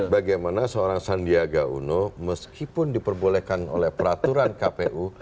bagaimana seorang sandiaga uno meskipun diperbolehkan oleh peraturan kpu